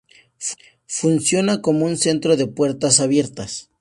Funciona como un centro de puertas abiertas.